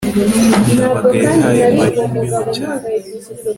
ndabaga yahaye mariya imbeho cyane